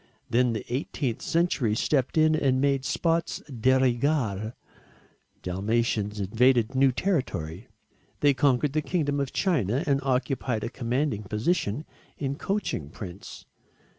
Then the 18th century stepped in and made spots de rigueur Dalmatians invaded new territory. They conquered the kingdom of china and occupied a commanding position in coaching prints.